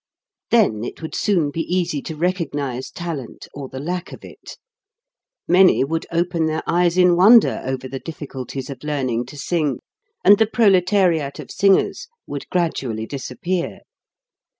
Then it would soon be easy to recognize talent or the lack of it. Many would open their eyes in wonder over the difficulties of learning to sing and the proletariat of singers would gradually disappear.